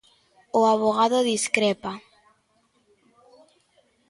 O avogado discrepa.